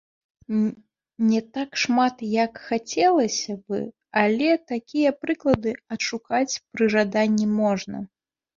Не так шмат, як хацелася б, але такія прыклады адшукаць пры жаданні можна.